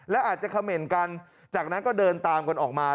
และอาจจะเขม่นกันจากนั้นก็เดินตามกันออกมา